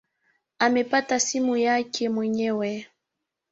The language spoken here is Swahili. Amepata simu yake mwenyewe.